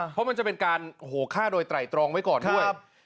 เพราะมันจะเป็นการฆ่าโดยไตรตรองไว้ก่อนด้วย